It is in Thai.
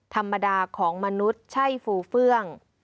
ธรรมดาของมนุษย์ใช่ฟูเฟื่อง